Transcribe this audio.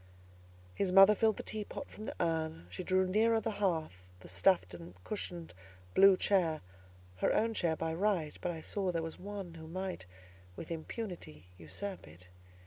His mother filled the teapot from the urn, she drew nearer the hearth the stuffed and cushioned blue chair—her own chair by right, but I saw there was one who might with impunity usurp it.